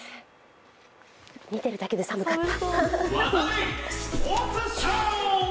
見てるだけで寒かった。